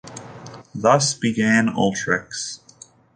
Thus began Ultrix.